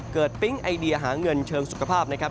ปิ๊งไอเดียหาเงินเชิงสุขภาพนะครับ